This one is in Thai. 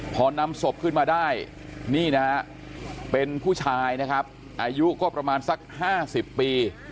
พอนำศพขึ้นมาได้นี่นะฮะเป็นผู้ชายนะครับอายุก็ประมาณสัก๕๐ปี